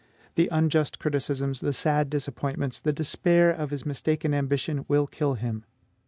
The unjust criticisms, the sad disappointments, the despair of his mistaken ambition, will kill him.